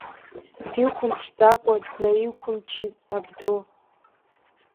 Дихәамԥшӡакәа днаиқәымчит абду.